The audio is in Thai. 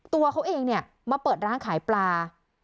ตัวเขาเองเนี่ยมาเปิดร้านขายปลา